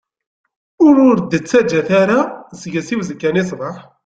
Ur d- ttaǧǧat ara seg-s i uzekka-nni ṣṣbeḥ.